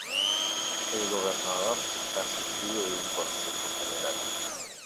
El gobernador está asistido de un Consejo General.